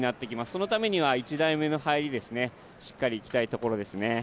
そのためには１台目の入り、しっかりいきたいところですね。